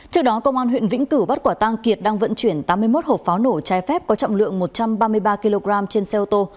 trước đó công an huyện vĩnh cửu bắt quả tang kiệt đang vận chuyển tám mươi một hộp pháo nổ trái phép có trọng lượng một trăm ba mươi ba kg trên xe ô tô